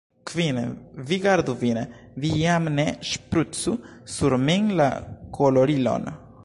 Kvin, vi gardu vin, vi jam ne ŝprucu sur min la kolorilon.